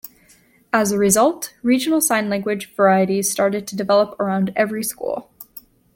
As a result, regional sign language varieties started to develop around every school.